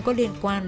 có liên quan